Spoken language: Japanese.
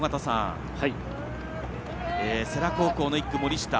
世羅高校の１区、森下。